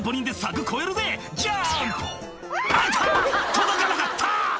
届かなかった！」